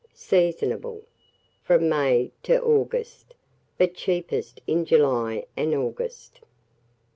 Seasonable from May to August, but cheapest in July and August.